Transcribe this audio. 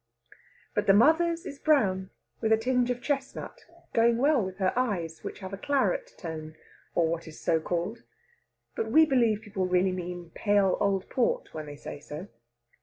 But the mother's is brown, with a tinge of chestnut; going well with her eyes, which have a claret tone, or what is so called; but we believe people really mean pale old port when they say so.